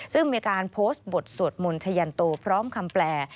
ซึ่งมีการโพสต์บทสวดมนต์ชะยันโตพร้อมคำแปล